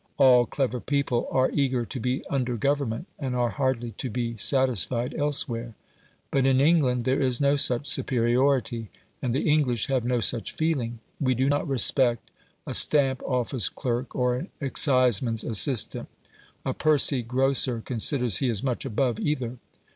All clever people are eager to be under Government, and are hardly to be satisfied elsewhere. But in England there is no such superiority, and the English have no such feeling. We do not respect a stamp office clerk, or an exciseman's assistant. A pursy grocer considers he is much above either.